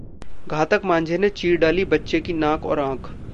घातक मांझे ने चीर डाली बच्चे की नाक और आंख